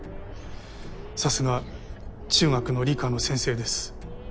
さすが中学の理科の先生です。